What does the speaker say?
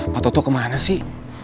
pak toto kemana sih